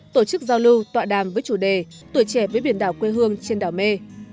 tổ chức giao lưu tọa đàm với chủ đề tuổi trẻ với biển đảo quê hương trên đảo mê